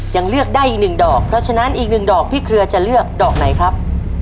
ยังเลือกได้อีกหนึ่งดอกเพราะฉะนั้นอีกหนึ่งดอกพี่เครือจะเลือกดอกไหนครับ